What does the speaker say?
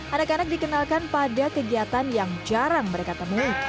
anak anak dikenalkan pada kegiatan yang jarang mereka temui